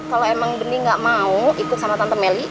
kalau emang bening gak mau ikut sama tante melly